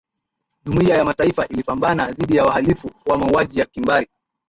jumuiya ya mataifa ilipambana dhidi ya wahalifu wa mauaji ya kimbari